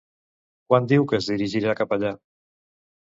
Quan diu que es dirigirà cap allà?